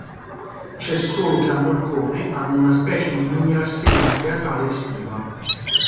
C'è solo che a Morcone hanno una specie di minirassegna teatrale estiva.